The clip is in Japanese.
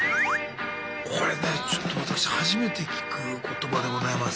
これねちょっと私初めて聞く言葉でございます。